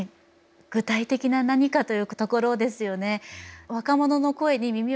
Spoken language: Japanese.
具体的な何かというところですよね。